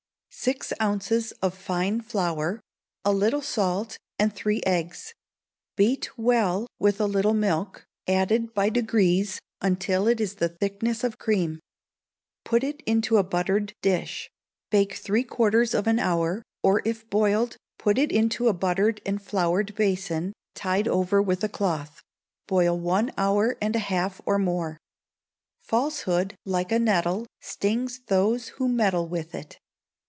Six ounces of fine flour, a little salt, and three eggs; beat well with a little milk, added by degrees until it is the thickness of cream; put into a buttered dish: bake three quarters of an hour: or if boiled put it into a buttered and floured basin, tied over with a cloth; boil one hour and a half or more. [FALSEHOOD, LIKE A NETTLE, STINGS THOSE WHO MEDDLE WITH IT.